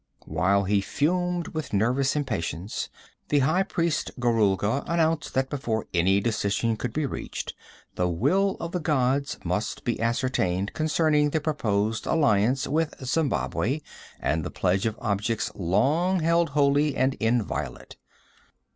While he fumed with nervous impatience, the high priest Gorulga announced that before any decision could be reached, the will of the gods must be ascertained concerning the proposed alliance with Zembabwei and the pledge of objects long held holy and inviolate.